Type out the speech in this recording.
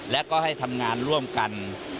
และก็ให้ทำงานร่วมกัน